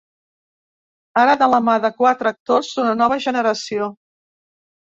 Ara de la mà de quatre actors d’una nova generació.